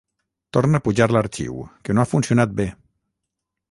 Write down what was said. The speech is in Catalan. Torna a pujar l'arxiu, que no ha funcionat bé.